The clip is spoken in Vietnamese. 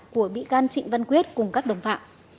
của bị can trịnh văn quyết cùng các đồng phạm